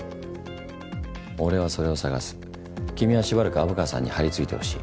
俺はそれを探す君はしばらく虻川さんに張り付いてほしい。